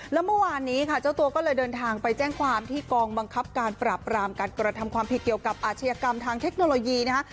แล้วเมื่อวานนี้ค่ะเจ้าตัวก็เลยเดินทางไปแจ้งความที่กองบังคับการปราบรามการกระทำความผิดเกี่ยวกับอาชญากรรมทางเทคโนโลยีนะคะ